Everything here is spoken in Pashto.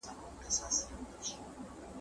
چېرته به د سوي میني زور وینو `